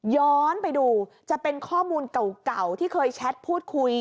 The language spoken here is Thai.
ย้อนไปดูจะเป็นข้อมูลเก่าที่เคยแชทพูดคุย